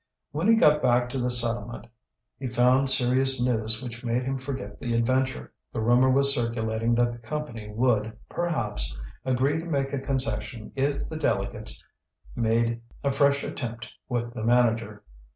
When he got back to the settlement, he found serious news which made him forget the adventure. The rumour was circulating that the Company would, perhaps, agree to make a concession if the delegates made a fresh attempt with the manager.